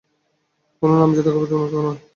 কোনো নামজাদা কবির তো নয়ই।